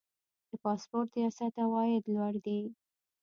د پاسپورت ریاست عواید لوړ دي